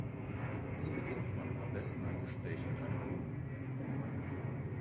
Wie beginnt man am besten ein Gespräch mit einem Kunden?